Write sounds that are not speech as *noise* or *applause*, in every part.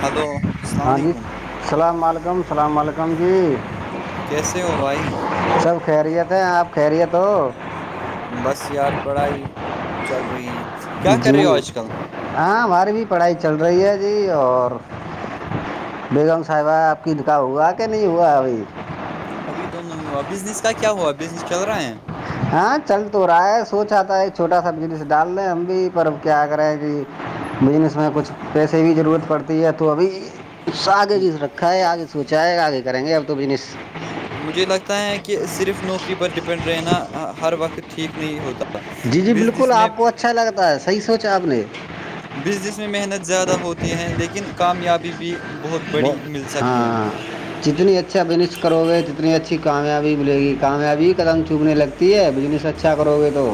hello السلام ہاں جی علیکم السلام علیکم السلام علیکم جی کیسے ہو بھائی سب خیریت ہیں آپ خیریت ہو بس یار پڑھائی چل رہی ہیں جی ہاں بارہویں پڑھائی چل رہی ہے جی اور بیگم صاحبہ آپ کی دکا ہوا کہ نہیں ہوا ابھی ابھی تو نہیں ہوا بزنس کا کیا ہوا بزنس چل رہا ہے ہاں چل تو رہا ہے سوچاا ہے چھوٹا سا جنس ڈال دیں ہم بھی پر کیا کر رہے کہ بجنس میں کچھ پیسے کی ضرورت پڑتی ہے تو ابھی آگے بھی رکھا ہے آگے سوچا ہے آگے کریں گے اب تو بس مجھے لگتا ہے کہ صرف نوکری پر ڈپینڈ رہنا ہر وقت ٹھیک نہیں ہوتا جی جی بالکل بزنس میں آپ کو اچھا لگتا ہے صحیح سوچا آپ نے بزنس میں محنت زیادہ ہوتی ہے لیکن کامیابی بھی بہت وہ بڑی مل سکتی ہیں ہاں جتنی اچھا بزنس کرو گے جتنی اچھی کامیابی ملے گی کامیابی قدم چوبنے لگتی ہوتی ہے بزنس اچھا کرو گے تو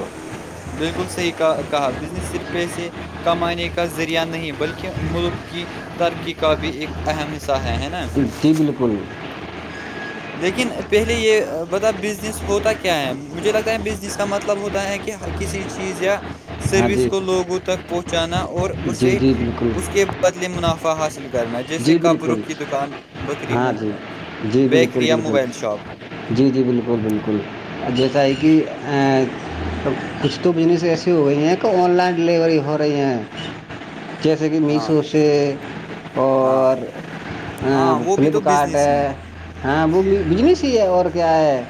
بالکل صحیح کہ کہا بزنس صرف پیسے کمانے کا ذریعہ نہیں بلکہ ملک کی ترکی کا بھی ایک اہم حصہ ہے ہے نا جی بالکل لیکن پہلے یہ بتا بزنس ہوتا کیا ہے مجھے لگتا ہے بزنس کا مطلب ہوتا ہے کہ کسی چیز یا ہاں سروس جی کو لوگوں تک پہنچانا اور جی اسے جی بالکل اس کے بدلے منافع حاصل کرنا ہے جیسے جی کپروں بالکل کی دکان بکری ہاں م جی جی بالکل بالکل جی جی بالکل بالکل جیسا ہے کہ کچھ تو بزنس ایس کی ہو ہیں کہ آن لائن ڈلیوری ہو رہی ہیں جیسے کہ ہاں میسو سے ہاں اور ہاں وہ بھی تو فلپکارٹ بزنس ہی ہے ہیں ہاں وہ بجنس ہی ہے اور کیا ہے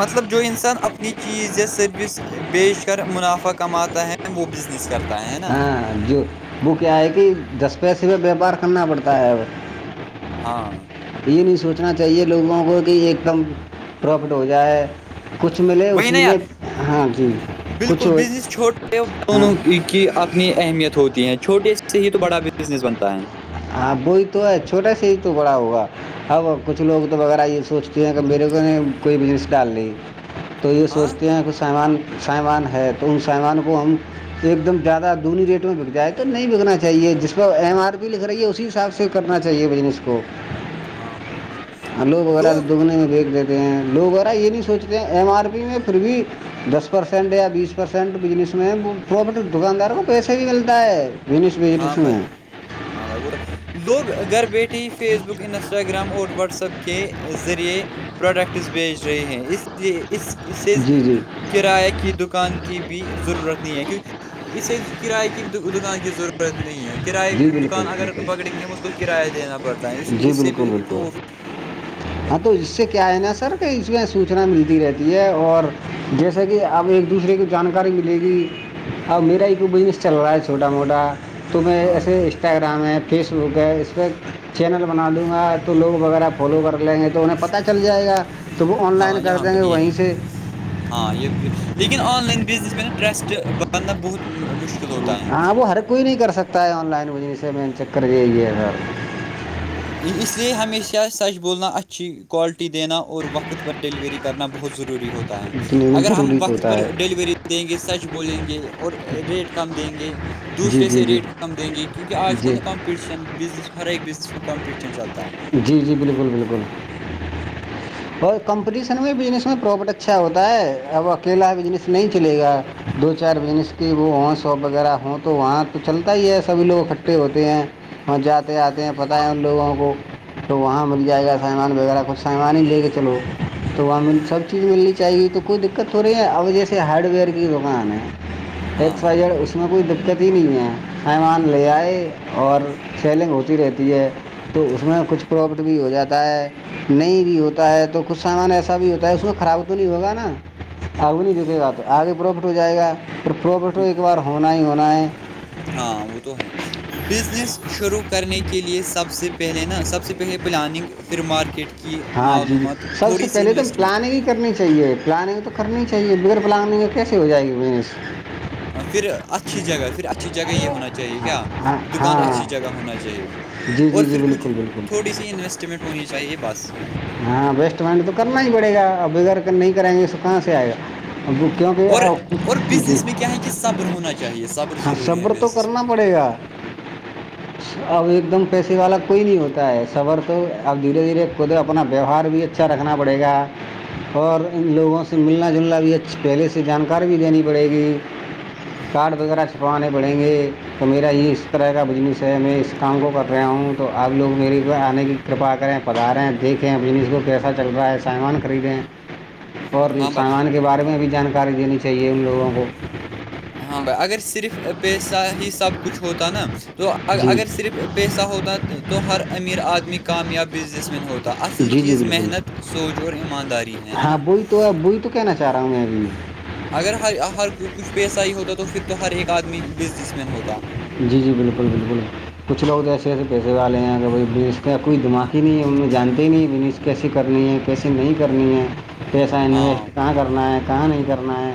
مطلب جو انسان اپنی چیز یا سروس بیشکر منافع کماتا ہے وہ بزنس کرتا ہے ہے نا ہاں جو وہ کیا ہے کہ دس پیسے میں بیپار کرنا پڑتا ہے اب ہاں یہ نہیں سوچنا چاہیے لوگوں کو کہ ایک دم پروفٹ ہو جائے کچھ ملے وہی نا اسی میں یار ہاں جی کچھ بالکل بزنس چھوٹے ہاں دونوں کی اپنی اہمیت ہوتی ہے چھوٹے سے ہی تو بڑا بزنس بنتا ہے ہاں وہی تو ہے چھوٹا سے ہی تو بڑا ہوگا اب کچھ لوگ تو وغیرہ یہ سوچتے ہیں کہ میرے کو نہیں کوئی بزنس ڈال ل تو یہ ہاں سوچتے ہیں کہچ سامان سامان ہے تو ان سامان کو ہم ایک دم زیادہ ادھنی ریٹ میں بک جائے تو نہیں بکنا چاہیے جس کو ایم آر بھی لکھ ی اسی حساب سے کرنا چاہیے بزنس کو ہاں بھائی آلو وغیرہ تو لوگ دگنے دیکھ دیتے لوگ یرا یہ نہیں سوچتے ہیں ایم آر پی میں پھر بھی دس پرسینٹ یا بیس پرسینٹ بجنس میں پراپٹ دکانداروں کو پیسے بھی ملتا ہے بزنس ہاں بزنس بھائی میں ہاں بھائی بولو لوگ گھر بیٹھی فیس بک انسٹاگرام اور واٹس ایپ کے ذریعے پروڈکٹس بیچ رہے ہیں اس لیے اس اس سے جی جی کرایہ کی دکان کی بھی ضرورت نہیں ہے کیونکہ اسے کرایے کی دکان کی ضرورت پت نہیں کراائے جی دکان بالکل اگر بالکل پکڑیں گے ہم اس کو کرایہ دینا پڑتا ہے اس کو جی اس سے بالکل بھی بالکل تو *inaudible* ہاں تو اس سے کیا ہے نا سر کہ اس میں سوچنا ملتی رہتی ہے اور جیسے کہ اب ایک دوسرے کی جانکاری ملے گی اب میرا ایک کو بزنس چل رہا ہے چھوٹا موٹا تو میں ہاں ایس انسٹاگرام ہے فیس بک ہے اس پہ چینل بنا دوں گا تو لوگ وغیرہ فالو کر لیں گے تو تو انہیں پتہ چل جائے گا تو وہ آن لائن ہاں کر یہاں دیں گے پر یہ وہیں ہیں سے ہاں یہ لیکن آن لائن بزنس میں نا ٹرسٹ بننا بہت مشکل ہوتا ہے ہاں وہ ہر کوئی نہیں کر سکتا ہے آن لائن بجنس سے مین چک کری یہ سر اس لیے ہمیشہ سچ بولنا اچھی کوالٹی دینا اور وقت پر ڈیلیوری کرنا بہت ضروری ہوتا ہے ت *unintelligible* اتنی اگر ہم ضروری تو وقت ہوتا پر ہے ڈیلیوری دیں گے سچ بولیں گے اور ریٹ کم دیں گے جی دوسرے جی سے جی ریٹ کم دیں گے کیونکہ آج کل جی ن کمپٹیشن بزس ہر ایک بزنس میں کمپٹیشن چلتا ہے جی جی بالکل بالکل *inaudible* اور کمپٹیشن میں بجنس میں پروفٹ اچھا ہوتا ہے اب اکیلا بزنس نہیں چلے گا دو چار بزنس کے وہ ہوں شاپ وغیرہ ہوں تو وہاں تو چلتا ہی ہے سبھی لوگ اککھٹھے ہوتے ہیں وہہ جاتے آتے ہیں پتہ ہے ان لوگوں کو تو وہاں مل جائے گا سامان وغیرہ کچھ سامان ہی لے کے چلو تو وہاں سب چیز ملنی چاہی گی تو کوئی دقت ہو رہی ہے اب جیسے ہارڈ ویئر کی دکان ہے ایک ہاں فائر اس اس میں کوئی دقت ہی نہیں ہے سیمان لے آئے اور سیلنگ ہوتی رہتی ہے تو اس میں کچھ پروفٹ بھی ہو جاتا ہے نہیں بھی ہوتا ہے تو کچھ سامان ایسا بھی ہوتا ہے اس میں خراب تو نہیں ہوگا نا آگ نہیں دکے گا تو آگے پروفٹ ہو جائے گا پرھر پروفٹ تو ایک بار ہونا ہی ہونا ہے ہاں وہ تو ہیں بزنس شروع کرنے کے لئے سب سے پہلے نا سب سے پہلے پلاننگ پھر مارکیٹ کٹکی ہاں جی جی سب سے پہلے تو ہم پلاننگ ہی کرنی چاہی چاہیے پلاننگ تو کرنی ہی چاہیے بگر پلاننگ ہے کیسے ہو جائے گی منس پھر اچھی جگہ پھر اچھی جگہ یہ ہونا چاہیے چاہے کیا ہاں دکان ہاں اچھی جگہ ہونا چاہیے جی اور جی جی پھر کھ بالکل بالکل تھوڑی سی اس انوسٹمنٹ ہونی چاہیے بس ہاں وسٹ منٹ تو کرنا ہی پڑے گا ا بغیر نہیں کریں گے کہاں سے آئے گا اب وہ کیونکہ اور اب اور جی بزنس میں کیا ہے کہ صبر ہونا چاہیے صبر ہاں ضروری ہے صبر تو بزنس میں کرنا *inaudible* پڑے گا اب ایک دم پیسے والا کوئی نہیں ہوتا ہے صفر تو اب دھیرے دھیرے خود اپنا ویوہار بھی اچھا رکھنا پڑے گا اور ان لوگوں سے ملنا جلنا بھی اچھی پہلے سے جانکاری بھی دینی پڑے گی کارڈ وغیرہ چھپوانے پڑیں گے تو میرا یہ اس طرح کا بزنس ہے میں اس کام کو کر رہا ہوں تو آپ لگ میرے آنے کی کرپا کریں پتا لا رہے ہیں دیکھیں بنس کو کیسا چل رہا ہے سامان خریدیں اور ہاں بھائی سامان کے بارے میں بھی جانکاری دینی چاہیے ان لوگوں کو ہاں بھائی اگر صرف پیسہ ہی سب کچھ ہوتا نا تو جی اگر صرف پیسہ ہوتا تو ہر امیر آدمی کامیاب بزنس مین ہوتا تو اصل جی جی چیز بالکل محنت سوچ اور ایمانداری ہے ہے ہاں نا وہی تو اب وہی تو کہنا چاہ رہا ہوں میں ابھی اگر ہر ہر کچھ پیسہ ہی ہوتا تو پھر تو ہر ایک آدمی بزنس مین ہوتا جی جی بالکل بالکل کچھ لوگ تو ایسے ایسے پیسے والے ہیں اگر کا کوئی دماغ ہی نہیں ہے ان جتے ہی نہیں ب کیسی کرنی ہے کیسی نہیں کرنی ہے پیسہ ہاں انویسٹ کہاں کرنا ہے کہاں نہیں کرنا ہے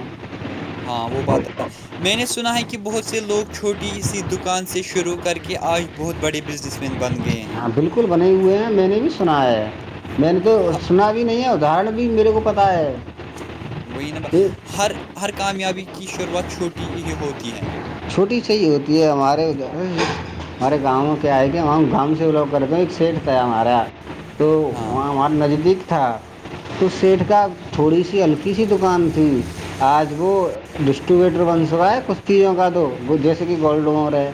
ہاں وہ بات ہے میں نے سنا ہے کہ بہت سے لوگ چھوٹی سی دکان سے شروع کر کے آج بہت بڑے بزنس ن بن گئے ہیں ہاں بالکل بنے ہوئے ہیں میں نے بھی سنا ہے میں نے تو ہ- سنا بھی نہیں ہے ادرن بھی میرے کو پتا ہے وہی نب کہ ہر ہر کامیابی کی شروعات چھوٹی ہی ہوتی ہے چھوٹی صحیح ہوتی ہے ہمارے ادھر ہمارے گاؤں کیا ہے کہ وہاں گام سے وہ لوگ کرے تھ ایک شیٹ تھا ہمارا تو ہاں وہاں ہم نزدیک تھا تو سیٹھ کا تھوڑی سی ہلکی سی دکان تھی آج وہ ڈسٹریبیوٹر بنس ہوا ہے کچھ چیزوں کا تو جیسے کہ گولڈوم ہے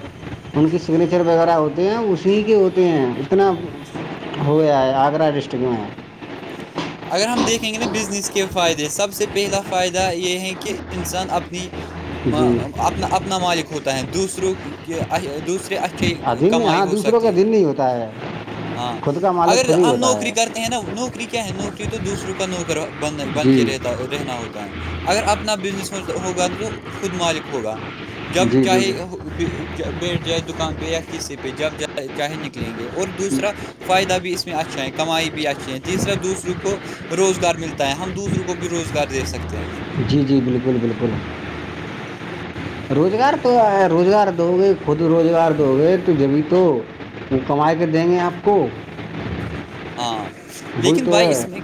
ان کی سگنیچر وغیرہ ہوتے ہیں اسی کے ہوتے ہیں اتنا ہوئے آ آگرہ ڈسٹک میں اگر ہم دیکھیں گے توا بزنس کے فائدے سب سے پہلا فائدہ یہ ہے کہ انسان اپنی جی اپنا اپنا مالک ہوتا ہے دوسروں کے دوسرے اش ادھین کمائی ہاں ہو دوسروں سکتی کا ہے دن نہیں ہوتا ہے ہاں خود کا مالک اگر خود ہی ہم ہوتا نوکری ہے کرتے نا نوکری کیا ہے نوکری تو دوسروں کا نوکر بن جی کے رہتا رہنا ہوتا ہے اگر اپنا بزنس ہوگا تو تو خود مالک ہوگا جب جی جی چاہے جی بیٹھ جائے دکان پہ یا کسی پہ جب چاہے نکلیں گے اور دوسرا فائدہ بھی اس میں اچھا ہے کمائی بھی اچھی ہے تیسرا دوسروں کو روزگار ملتا ہے ہم دوسروں کو بھی روزگار دے سکتے ہیں جی جی بالکل بالکل روزگار تو روزگار دو گے خود روزگار دو گے تو جبھی تو وہ کما کے دیں گے آپ کو ہاں وہی لیکن تو بھائی ہے اس میں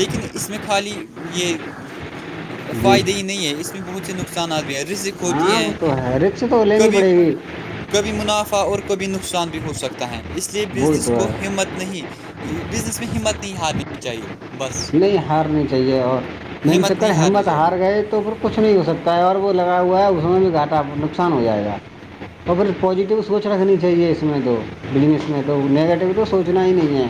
لیکن اس میں خالی یہ جی فائدے ہی نہیں ہے اس میں بہت سے نقصانات بھی ہیں رسک ہاں وہ تو ہے رکش تو لینی پڑی ہوئی کبھی منافع اور کبھی نقصان بھی ہو سکتا ہے اس لیے وہی بزنس تو کو ہے ہمت نہیں بزنس میں ہمت نہیں ہارنی چاہیے بس نہیں ہارنی چاہیے اور م ہمت چکر نہیں ہارنی ہمت چاہیے ہار گئے تو پھر کچھ نہیں ہو سکتا ہے اور وہ لگا ہوا ہے اس میں بھی گھاٹا نقصان ہو جائے گا اور پھر پازیٹیو سوچ رکھنی چاہیے اس میں تو بزنس میں تو نگیٹو تو سوچنا ہی نہیں ہے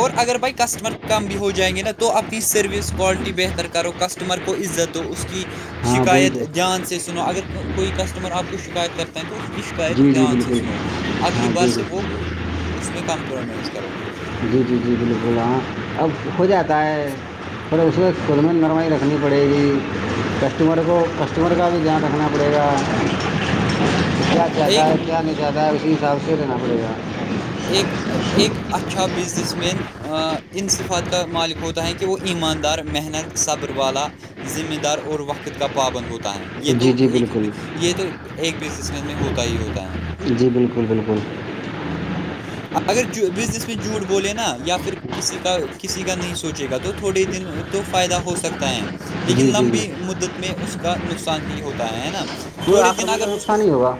اور اگر بھائی کسٹمر کم بھی ہو جائیں گے نا تو اپنی سروس کوالٹی بہتر کرو کسٹمر کو عزت دو اس کی ہاں وہی شکایت تو دھیان سے سنو اگر کوئی کسٹمر آپ کو شکایت کرتا ہے تو اس کی شکایت جی جی دھیان سے بالکل سنو اگلی ہاں بار جی سے جی وہ اس میں کمپرومائز کرو جی جی جی بالکل ہاں اب ہو جاتا ہے پ اسے خدم نرمائی رکھنی پڑے گی کسٹمر کو کسٹمر کا بھی دھیان رکھنا پڑے گا کیا *inaudible* چاہتا ہے کیا نہیں چاہتا ہے اسی حساب سے دینا پڑے گا ایک ایک اچھا بزنس مین ان صفات کا مالک ہوتا ہے کہ وہ ایماندار محنت صبر والا ذمہ دار اور وقت کا پابند ہوتا ہے یہ تو جی جی ایک بالکل یہ تو ایک بزنس مین میں ہوتا ہی ہوتا ہے جی بالکل بالکل اگر بزنس میں جھوٹ بولے نا یا پھر کسی کا کسی کا نہیں سوچے گا تو تھوڑے دن تو فائدہ ہو سکتا ہے لیکن جی جی جی لمبی مدت میں اس کا نقصان ہی ہوتا ت نا وہ تھوڑے آخر دن میں اگر تو نقصان ہی ہوگا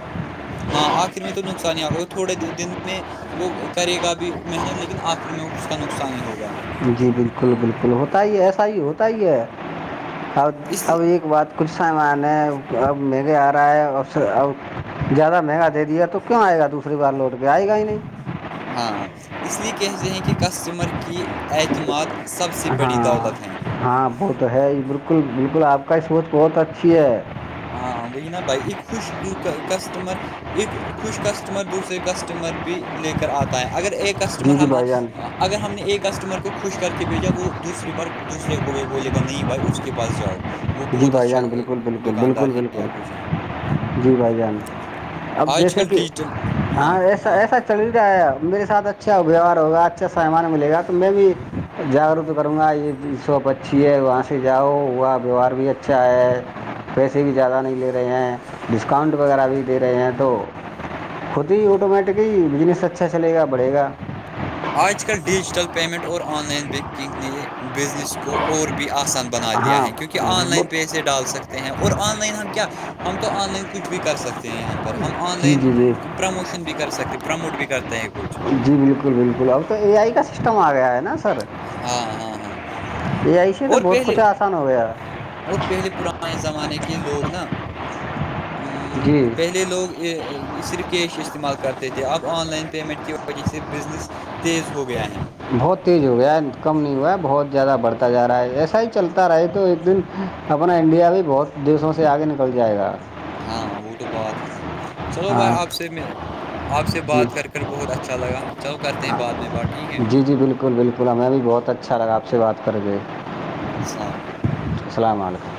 ہاں آخر میں تو نقصان ہی ہوگا تھوڑے دن میں وہ کرے گا بھی محنت لیکن آخر میں اس کا نقصان ہی ہوگا جی بالکل بالکل ہوتا ہی ایسا ہی ہوتا ہی ہے اب اس لیے اب ایک بات کچھ سامان ہے اب مہگے آ رہا ہے اور ا زیادہ مہنگا دیا تو کیوں آئے گا دوسری بار لوٹ کے آئے گا ہی نہیں ہاں اس لیے کہتے ہیں کہ کسٹمر کی اعتماد سب سے بڑی ہاں دولت ہیں ہاں وہ تو ہے یہ بالکل بالکل آپ کا سوچ بہت اچھی ہے ہاں وہ یہ نہ بھائی خوش کسٹمر ایک خوش کسٹمر دوسرے کسٹمر بھی لے کر آتا ہے اگر ایک کسٹمر جی جی ہم بھائی جان ہم اگر ہم نے ایک کسٹمر کو خوش کر کے بھیجا وہ دوسری بار دوسرے کو بھی بولے گا نہیں بھائی اس کے پاس جاؤ وہ جی بہت بھائی اچھا جان بالکل بالکل بالکل دکاندار ہیں بالکل یا کچھ ہیں جی بھائی جان اب آج جیسے کل کہ ڈیجیٹل ہاں ایسا ایسا چل رہا ہے میرے ساتھ اچھا ویوہار ہوگا اچھا سامان ملے گا تو میں بھی جاگروک کروں گا یہ شاپ اچھی ہے وہاں سے جاؤ وہ آپ ویوہار بھی اچھا ہے پیسے بھی زیادہ نہیں لے رہے ہیں ڈسکاؤنٹ وغیرہ بھی دے رہے ہیں تو خود ہی آٹومیٹک ہی بزنس اچھا چلے گا بڑے گا آج کل ڈیجیٹل پیمنٹ اور آن لائن بینکنگ نے بزنس کو اور بھی آسان بنا دیا ہاں ہے کیونکہ کہ آن لائن بہت پہسے ڈال سکتے ہیں اور آن لائن ہم کیا ہم تو آن لائن کچھ بھی کر سکتے ہیں یہاں پہ پر ہم آن جی لائن جی جی پروموشن بھی کر سکتے پروموٹ بھی کرتے ہیں کچھ جی بالکل بالکل اب تو اے آئی کا سسٹم آ گیا ہے نا سر ہاں ہاں ہاں یہ آئیسی تو اور بہت پہلے کچھ آسان ہو گیا اور پہلے پرانے زمانے کے لوگ نا جی پہلے لوگ صرف کیش استعمال کرتے تھے اب آن لائن پیمنٹ کی وجہ سے بزنس تیز ہو گیا ہے بہت تیز ہو گیا کم نہیں ہوا ہے بہت زیادہ بڑھتا جا رہا ہے ایسا ہی چلتا رہے تو ایک دن اپنا انڈیا بھی بہت دیسوں سے آگے نکل جائے گا ہاں وہ تو بات ہے چلو بھائی ہاں آپ سے میں آپ سے جی بات کر کے بہت اچھا لگالو کرتے ہیں ہاں بعد میں بٹ جی جی بالکل بالکل ہمیں بھی بہت اچھا لگا آپ سے بات کر گے سلام *unintelligible* السلام علیکم